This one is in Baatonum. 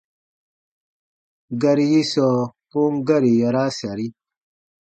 Gari yi sɔɔ kom gari yaraa sari.